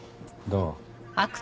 どう？